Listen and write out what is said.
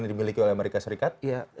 yang dimiliki oleh amerika serikat